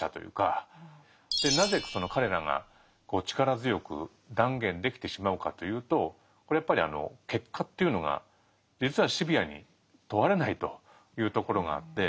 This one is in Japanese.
でなぜその彼らが力強く断言できてしまうかというとこれやっぱり結果というのが実はシビアに問われないというところがあって。